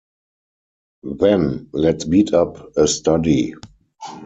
Then let's beat up a study.